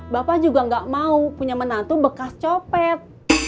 bapak juga gak mau punya menantu bekas copet